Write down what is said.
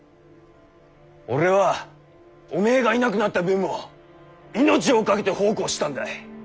俺はおめぇがいなくなった分も命をかけて奉公してたんだ！